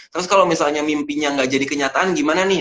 terus kalau misalnya mimpinya gak jadi kenyataan gimana nih